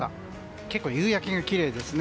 結構、夕焼けがきれいですね。